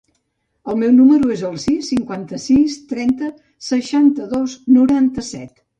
El meu número es el sis, cinquanta-sis, trenta, seixanta-dos, noranta-set.